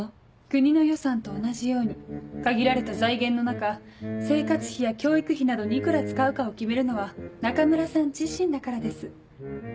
国の予算と同じように限られた財源の中生活費や教育費などに幾ら使うかを決めるのは中村さん自身だからです。